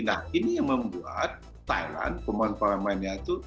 nah ini yang membuat thailand pemain pemainnya itu